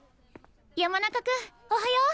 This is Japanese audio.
山中君おはよう！